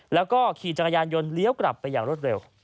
แล้วก็ขี่จักรยานยนต์เลี้ยวกลับไปอย่างรวดเร็ว